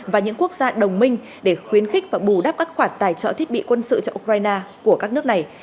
và những quốc gia đồng minh để khuyến khích và bù đắp các khoản tài trợ thiết bị quân sự cho ukraine của các nước này